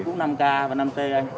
cũng năm k và năm k